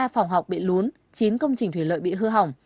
ba phòng học bị lún chín công trình thủy lợi bị hư hỏng